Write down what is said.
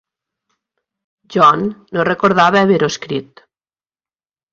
John no recordava haver-ho escrit.